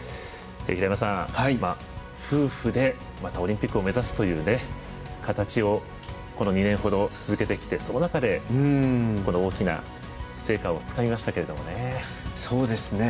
夫婦で、またオリンピックを目指すという形をこの２年ほど続けてきてその中で、この大きな成果をつかみましたけれどもね。